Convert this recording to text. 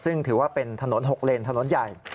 ซึ่งถือว่าเป็นถนน๖เลนถนนใหญ่